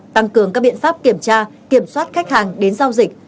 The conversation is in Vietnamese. tăng cường các biện pháp kiểm tra kiểm soát khách hàng đến giao dịch